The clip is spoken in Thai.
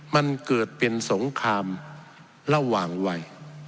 มันเกิดเป็นสงครามระหว่างวัย